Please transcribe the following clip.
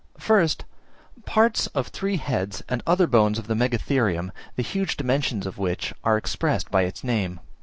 First, parts of three heads and other bones of the Megatherium, the huge dimensions of which are expressed by its name.